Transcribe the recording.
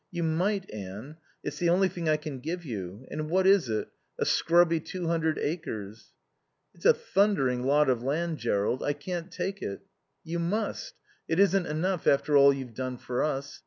"You might, Anne. It's the only thing I can give you. And what is it? A scrubby two hundred acres." "It's a thundering lot of land, Jerrold. I can't take it." "You must. It isn't enough, after all you've done for us.